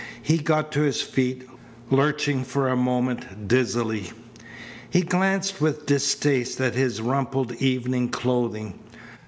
He got to his feet, lurching for a moment dizzily. He glanced with distaste at his rumpled evening clothing.